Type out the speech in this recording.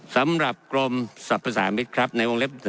สำหรับกรมสรรพสามิตรครับในวงเล็บ๑